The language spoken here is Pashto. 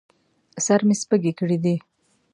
سر مې سپږې کړي دي